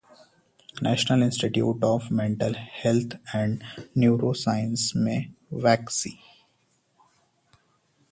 national institute of mental health and neuro sciences में vacancy